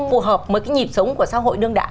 phù hợp với cái nhịp sống của xã hội đương đại